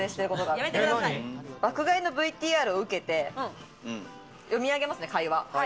爆買いのＶＴＲを受けて読み上げますね、会話。